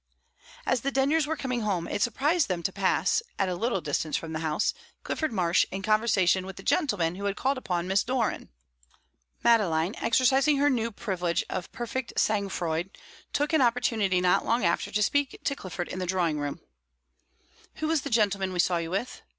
As the Denyers were coming home, it surprised them to pass, at a little distance from the house, Clifford Marsh in conversation with the gentleman who had called upon Miss Doran. Madeline, exercising her new privilege of perfect sang froid, took an opportunity not long after to speak to Clifford in the drawing room. "Who was the gentleman we saw you with?"